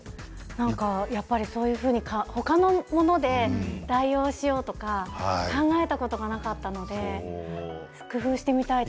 そういうふうに、他のもので代用しようとか考えたことがなかったので工夫してみたいです。